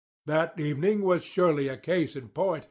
That evening was surely a case in point.